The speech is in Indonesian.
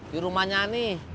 di rumah nyanyi